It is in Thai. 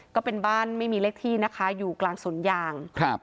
ก็เป็นบ้านไม่มีเลขที่นะคะอยู่กลางสวนยางครับ